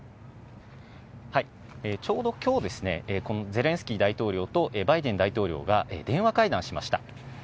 ちょうどきょう、このゼレンスキー大統領とバイデン大統領が電話会談しました。